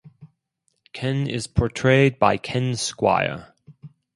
Ken is portrayed by Ken Squier.